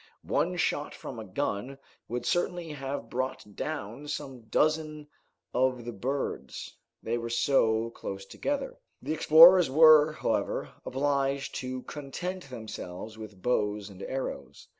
One shot from a gun would certainly have brought down some dozen of the birds, they were so close together. The explorers were, however, obliged to content themselves with bows and arrows.